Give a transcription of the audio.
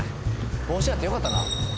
帽子あってよかったな